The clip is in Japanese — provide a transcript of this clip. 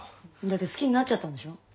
だって好きになっちゃったんでしょ？